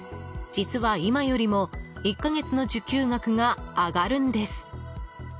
実は、今よりも１か月の受給額が上がるんです。